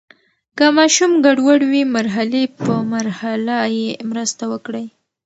که ماشوم ګډوډ وي، مرحلې په مرحله یې مرسته وکړئ.